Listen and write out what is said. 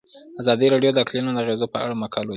ازادي راډیو د اقلیتونه د اغیزو په اړه مقالو لیکلي.